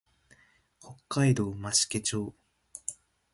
北海道増毛町